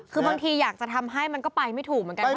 คือบางทีอยากจะทำให้มันก็ไปไม่ถูกเหมือนกันนะ